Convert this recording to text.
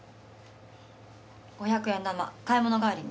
五百円玉買い物帰りに。